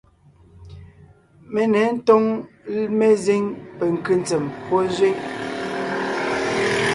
Mé ně ńtóŋ mezíŋ penkʉ́ ntsèm pɔ́ zẅíŋ.